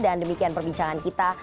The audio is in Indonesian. dan demikian perbincangan kita